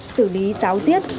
xử lý giáo giết